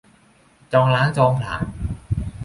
จองล้างจองผลาญ